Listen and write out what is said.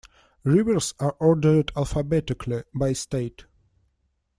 Rivers are ordered alphabetically, by state.